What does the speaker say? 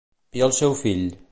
I al seu fill?